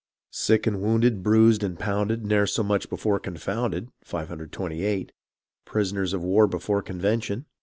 Sick and wounded, bruised and pounded Ne'er so much before confounded .. Prisoners of war before convention